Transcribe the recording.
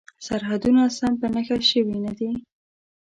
سرحدونه سم په نښه شوي نه دي.